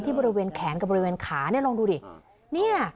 ที่บริเวณแขนกับขาเนี่ยจะลองดูดิ